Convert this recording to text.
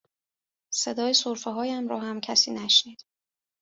صدای سرفه هایم را هم کسی نشنید